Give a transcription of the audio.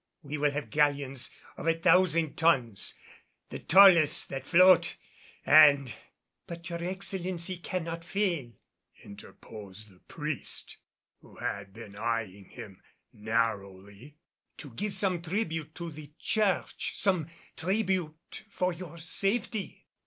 We will have galleons of a thousand tons, the tallest that float and " "But your Excellency cannot fail," interposed the priest, who had been eying him narrowly, "to give some tribute to the Church some tribute for your safety?"